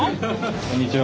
こんにちは。